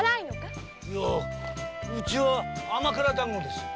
いやうちは甘辛団子です。